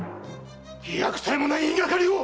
益体もない言いがかりを！